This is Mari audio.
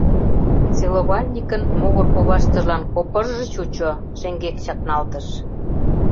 Целовальникын могыр коваштыжлан копыж-ж чучо, шеҥгек чакналтыш.